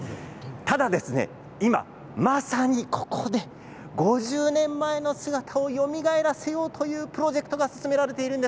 ただ今まさに、ここで５０年前の姿をよみがえらせようというプロジェクトが進められているんです。